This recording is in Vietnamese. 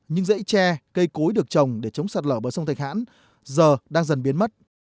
những dãy tre cây cối được trồng để chống sạt lở bờ sông thạch hãn giờ đang dần biến mất